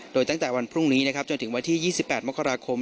โดยตั้งแต่วันพรุ่งนี้นะครับจนถึงวันที่๒๘มกราคม